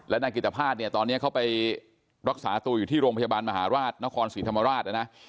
นายกิตภาษณเนี่ยตอนนี้เขาไปรักษาตัวอยู่ที่โรงพยาบาลมหาราชนครศรีธรรมราชนะนะ